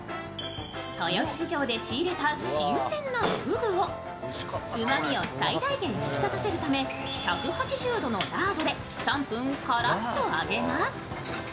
豊洲市場で仕入れた新鮮なふぐをうまみを最大限引き立たせるため、１８０度のラードで３分カラッと揚げます。